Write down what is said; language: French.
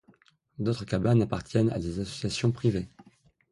D'autres cabanes appartiennent à des associations privées.